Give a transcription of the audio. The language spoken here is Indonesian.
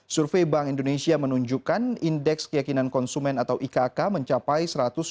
survei bank indonesia menunjukkan indeks keyakinan konsumen atau ikk mencapai satu ratus dua puluh